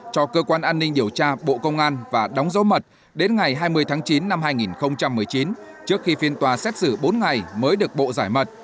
cho cơ quan an ninh điều tra bộ công an và đóng dấu mật đến ngày hai mươi tháng chín năm hai nghìn một mươi chín trước khi phiên tòa xét xử bốn ngày mới được bộ giải mật